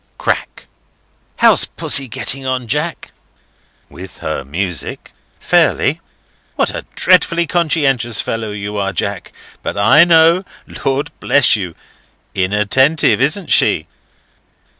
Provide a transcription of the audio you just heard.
Crack. "How's Pussy getting on Jack?" "With her music? Fairly." "What a dreadfully conscientious fellow you are, Jack! But I know, Lord bless you! Inattentive, isn't she?"